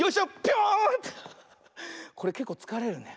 これけっこうつかれるね。